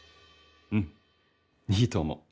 うんいいと思う。